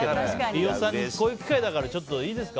飯尾さん、こういう機会ですからいいですか？